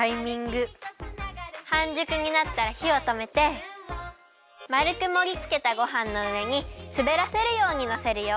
はんじゅくになったらひをとめてまるくもりつけたごはんのうえにすべらせるようにのせるよ。